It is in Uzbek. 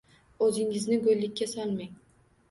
-O’zingizni go’llikka solmang.